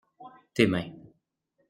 Tes mains.